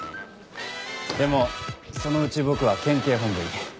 でもそのうち僕は県警本部に。